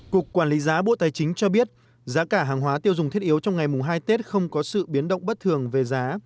cục quản lý giá bộ tài chính cho biết giá cả hàng hóa tiêu dùng thiết yếu trong ngày mùng hai tết không có sự biến động bất thường về giá